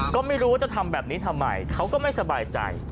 ก็ไม่รู้ว่าจะทำแบบนี้ทำไมเขาก็ไม่สบายใจ